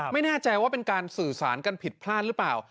ไม่แน่ใจว่าเป็นการสื่อสารกันผิดพลาดหรือเปล่า